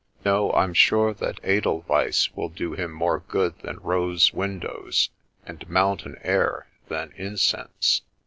No, I'm sure that edelweiss will do him more good than rose win dows, and mountain air than incense."